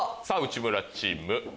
さぁ内村チーム。